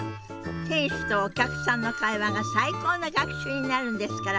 店主とお客さんの会話が最高の学習になるんですから。